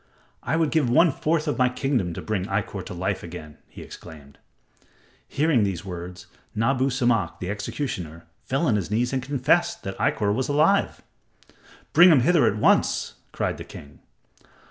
"I would give one fourth of my kingdom to bring Ikkor to life again," he exclaimed. Hearing these words, Nabu Samak, the executioner, fell on his knees and confessed that Ikkor was alive. "Bring him hither at once," cried the king.